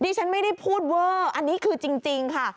ฉันไม่ได้พูดเวอร์อันนี้คือจริงค่ะ